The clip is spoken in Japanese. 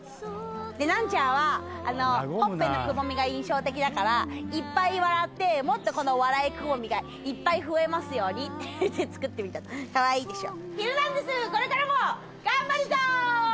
ナンチャンはホッペのくぼみが印象的だからいっぱい笑ってもっと笑いくぼみがいっぱい増えますようにって作ってみたのかわいいでしょ。